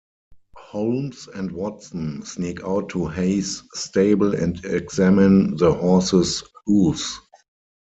Holmes and Watson sneak out to Hayes's stable and examine the horse's hooves.